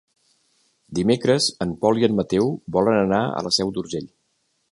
Dimecres en Pol i en Mateu volen anar a la Seu d'Urgell.